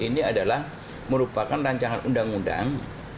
ini adalah merupakan rancangan undang undang